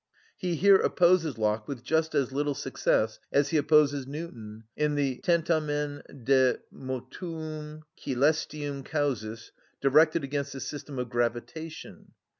He here opposes Locke with just as little success as he opposes Newton in the "Tentamen de motuum cœlestium causis," directed against the system of gravitation.